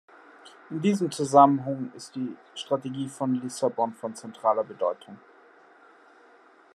In diesem Zusammenhang ist die Strategie von Lissabon von zentraler Bedeutung.